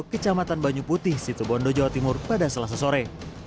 kecamatan banyu putih situ bondo jawa timur pada selasa sore